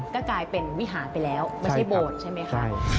ก็กลายเป็นวิหารไปแล้วไม่ใช่โบสถ์ใช่ไหมคะ